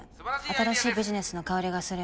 新しいビジネスの香りがするよな。